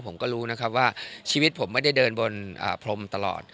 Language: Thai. ผมก็รู้นะครับว่าชีวิตผมไม่ได้เดินบนพรมตลอด